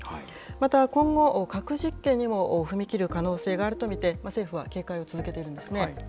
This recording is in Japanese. また今後、核実験にも踏み切る可能性があると見て、政府は警戒を続けているんですね。